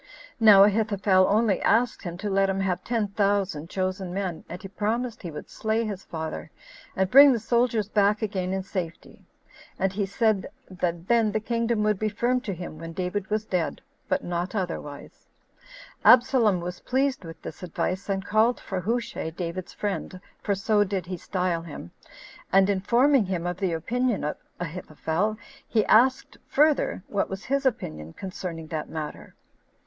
Now Ahithophel only asked him to let him have ten thousand chosen men, and he promised he would slay his father, and bring the soldiers back again in safety; and he said that then the kingdom would be firm to him when David was dead [but not otherwise]. Absalom was pleased with this advice, and called for Hushai, David's friend [for so did he style him]; and informing him of the opinion of Ahithophel, he asked, further, what was his opinion concerning that matter.